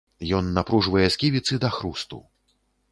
Ён напружвае сківіцы да хрусту.